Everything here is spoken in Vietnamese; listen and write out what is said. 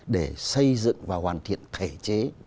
để xây dựng và hoàn thiện thể chế